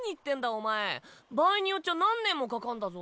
お前場合によっちゃ何年もかかんだぞ？